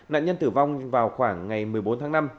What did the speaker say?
nạn nhân tử vong vào khoảng ngày một mươi bốn tháng năm